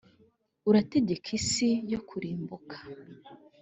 urategeka isi yo kurimbuka